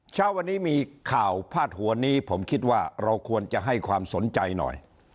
เช้าวันนี้มีข่าวพาดหัวนี้ผมคิดว่าเราควรจะให้ความสนใจหน่อย